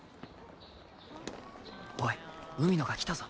おい海野が来たぞ。